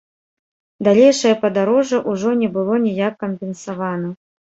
Далейшае падарожжа ўжо не было ніяк кампенсавана.